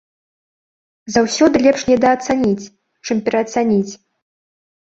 Заўсёды лепш недаацаніць, чым пераацаніць.